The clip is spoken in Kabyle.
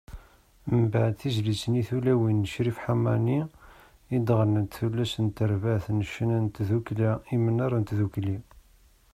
Mbeɛd, tizlit-nni “Tulawin” n Crif Ḥamani, i d-ɣennant tullas n terbaɛt n ccna n Tdukkkla Imnar n Tdukli.